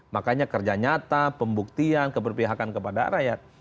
makanya kerja nyata pembuktian keberpihakan kepada rakyat